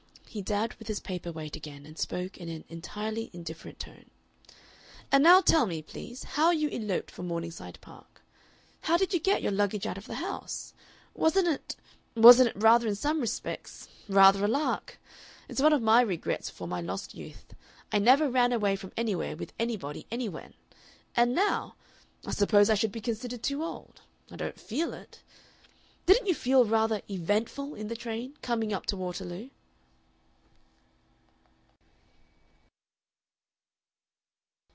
He dabbed with his paper weight again, and spoke in an entirely indifferent tone. "And now tell me, please, how you eloped from Morningside Park. How did you get your luggage out of the house? Wasn't it wasn't it rather in some respects rather a lark? It's one of my regrets for my lost youth. I never ran away from anywhere with anybody anywhen. And now I suppose I should be considered too old. I don't feel it.... Didn't you feel rather EVENTFUL in the train coming up to Waterloo?"